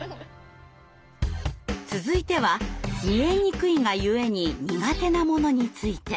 続いては見えにくいがゆえに苦手なものについて。